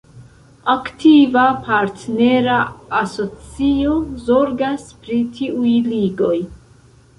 Aktiva partnera asocio zorgas pri tiuj ligoj.